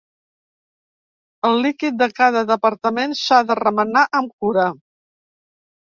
El líquid de cada departament s'ha de remenar amb cura.